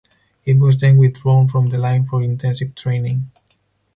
It was then withdrawn from the line for intensive training.